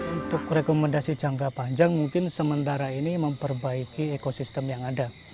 untuk rekomendasi jangka panjang mungkin sementara ini memperbaiki ekosistem yang ada